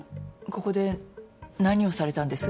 ここで何をされたんです？